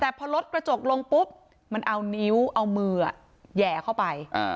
แต่พอรถกระจกลงปุ๊บมันเอานิ้วเอามือแหย่เข้าไป